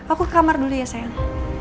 aku ke kamar dulu ya sayang